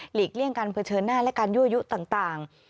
เลี่ยงการเผชิญหน้าและการยั่วยุต่าง